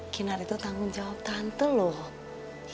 kinar itu tanggung jawab tante loh